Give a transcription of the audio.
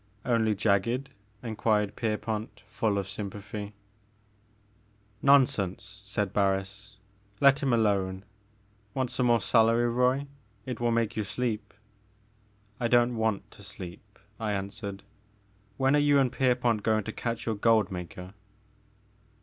"Only jagged?" enquired Pierpont, full of sympathy. 55 56 The Maker of Moons. ''Nonsense," said Barns, 'Met him alone. Want some more celery, Roy ?— it will make you sleep/' I don't want to sleep," I answered ;when are you and Pierpont going to catch your Gold maker?"